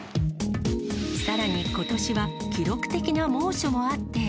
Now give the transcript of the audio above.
さらにことしは、記録的な猛暑もあって。